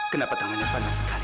kenapa tangannya panas sekali